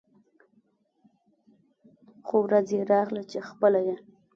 خو ورځ يې راغله چې خپله یې